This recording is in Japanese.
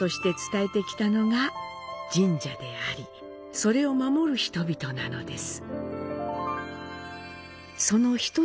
それを守る人々なのです。